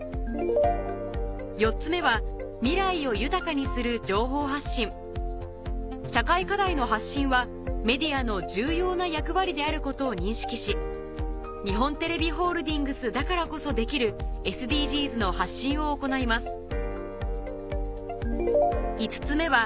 ４つ目は社会課題の発信はメディアの重要な役割であることを認識し日本テレビホールディングスだからこそできるＳＤＧｓの発信を行います